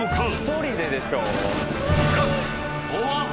１人ででしょ？